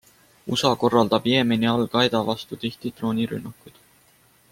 USA korraldab Jeemeni Al-Qaeda vastu tihti droonirünnakuid.